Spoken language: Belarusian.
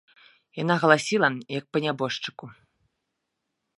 Яна галасіла, як па нябожчыку.